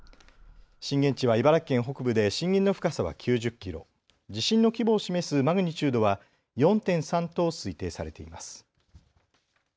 震源地は茨城県北部で震源の深さは９０キロ、地震の規模を示すマグニチュードは４．３と推定されています。